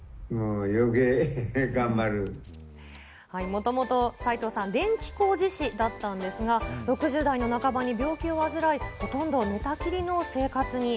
もともと齋藤さん、電気工事士だったんですが、６０代の半ばに病気を患い、ほとんど寝たきりの生活に。